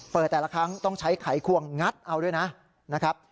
เปิดแต่ละครั้งต้องใช้ไขควงงัดเอาด้วยนะ